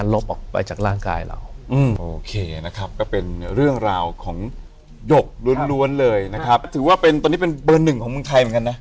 รวนเลยนะครับถือว่าตอนนี้เป็นเบอร์หนึ่งของเมืองไทยเหมือนกันนะ